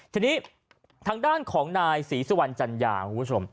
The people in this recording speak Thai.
ทีนี้ทางด้านของนายศรีสุวรรณจัญญาคุณผู้ชม